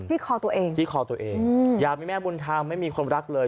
คอตัวเองจี้คอตัวเองอยากมีแม่บุญธรรมไม่มีคนรักเลย